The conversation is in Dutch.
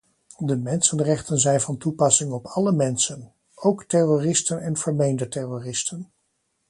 De mensenrechten zijn van toepassing op alle mensen, ook terroristen en vermeende terroristen.